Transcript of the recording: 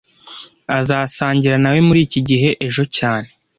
Azasangira nawe muri iki gihe ejo cyane